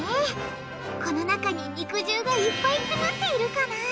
この中に肉汁がいっぱい詰まっているかな？